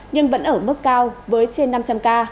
nhưng vẫn ở mức cao với trên năm trăm linh ca